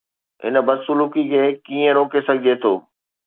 هن بدسلوڪي کي ڪيئن روڪي سگهجي ٿو؟